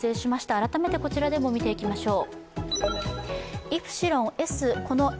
改めてこちらでも見ていきましょう。